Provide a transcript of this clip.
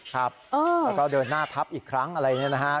ครับแล้วก็เดินหน้าทับอีกครั้งอะไรอย่างนี้นะฮะ